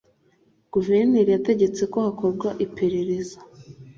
Guverineri yategetse ko hakorwa iperereza.